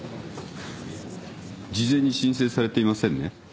事前に申請されていませんね。